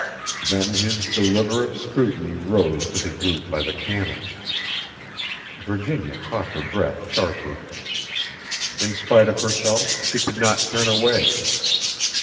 Then his deliberate scrutiny rose to the group by the cannon. Virginia caught her breath sharply. In spite of herself she could not turn away.